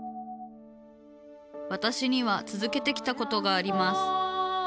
わたしにはつづけてきたことがあります。